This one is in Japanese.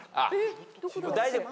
大丈夫。